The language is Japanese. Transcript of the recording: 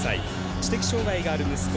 知的障がいがある息子